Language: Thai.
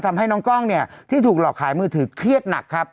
ทำให้น้องกล้องเนี่ยที่ถูกหลอกขายมือถือเครียดหนักครับ